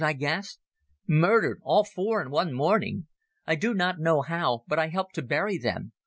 I gasped. "Murdered ... all four in one morning. I do not know how, but I helped to bury them.